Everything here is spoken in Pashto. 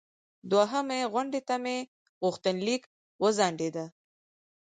دوهمې غونډې ته مې غوښتنلیک وځنډیده.